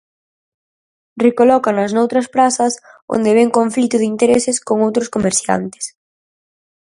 Recolócanas noutras prazas onde ven conflito de intereses con outros comerciantes.